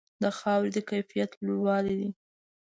د خاورې د کیفیت لوړوالې دی.